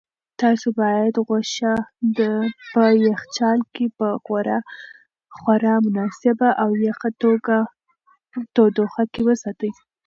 تاسو باید غوښه په یخچال کې په خورا مناسبه او یخه تودوخه کې وساتئ.